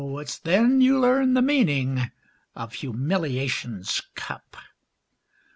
it's then you learn the meaning of humiliation's cup.